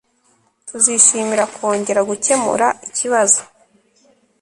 Tuzishimira kongera gukemura ikibazo